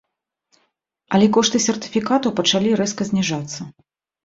Але кошты сертыфікатаў пачалі рэзка зніжацца.